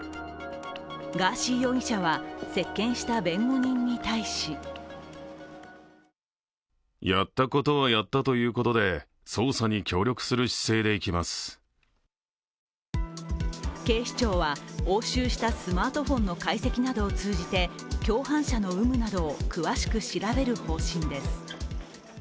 ガーシー容疑者は接見した弁護人に対し警視庁は押収したスマートフォンの解析などを通じて共犯者の有無などを詳しく調べる方針です。